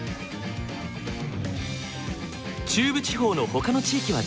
中部地方のほかの地域はどうだろう？